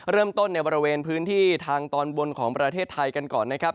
เริ่มต้นในบริเวณพื้นที่ทางตอนบนของประเทศไทยกันก่อนนะครับ